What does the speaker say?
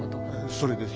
それです。